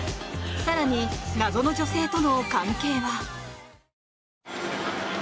更に、謎の女性との関係は？